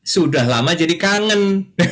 sudah lama jadi kangen